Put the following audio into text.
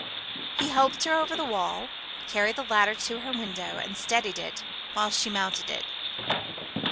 He helped her over the wall; carried the ladder to her window, and steadied it while she mounted it.